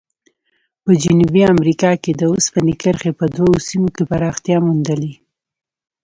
په جنوبي امریکا کې د اوسپنې کرښې په دوو سیمو کې پراختیا موندلې.